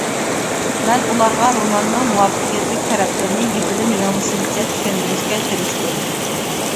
مەن ئۇلارغا روماننىڭ مۇۋەپپەقىيەتلىك تەرەپلىرىنى يىپىدىن يىڭنىسىگىچە چۈشەندۈرۈشكە تىرىشتىم.